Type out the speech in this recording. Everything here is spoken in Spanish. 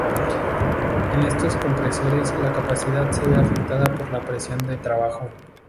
En estos compresores la capacidad se ve afectada por la presión de trabajo.